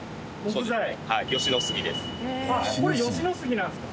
これ吉野杉なんですか？